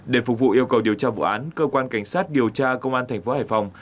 để phục vụ yêu cầu điều tra vụ án cơ quan cảnh sát điều tra công an thành phố hải phòng